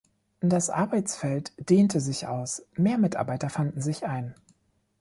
Das Arbeitsfeld dehnte sich aus, mehr Mitarbeiter fanden sich ein.